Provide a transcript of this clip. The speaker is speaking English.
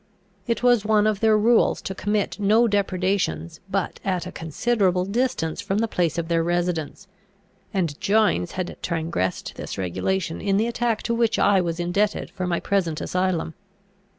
It was one of their rules to commit no depredations but at a considerable distance from the place of their residence; and Gines had transgressed this regulation in the attack to which I was indebted for my present asylum.